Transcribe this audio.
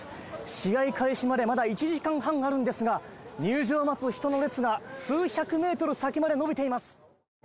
試合開始までまだ１時間半あるんですが、入場を待つ人の列が数百メートル先まで伸びています。